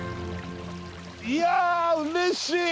いやうれしい！